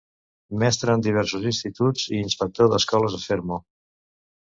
Mestre en diversos instituts i inspector d'escoles a Fermo.